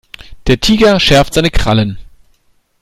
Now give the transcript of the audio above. Der Tiger schärfte seine Krallen.